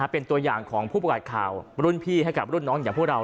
เป็นตัวอย่างของผู้ประกาศข่าวรุ่นพี่ให้กับรุ่นน้องอย่างพวกเรา